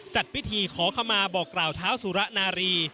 จัดพิธีขอขมาบอกกล่าวเท้าสุระนารี